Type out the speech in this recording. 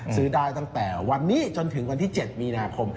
ซื้อได้ตั้งแต่วันนี้จนถึงวันที่๗มีนาคม